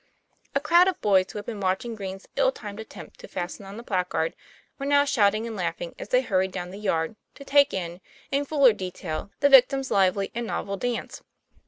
A crowd of boys, who had been watching Green's ill timed attempt to fasten on the placard, were now shouting and laughing, as they hurried down the yard to take in, in fuller detail, the victim's lively and novel dance.